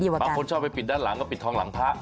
แล้วก็ปิดทองหลังพระ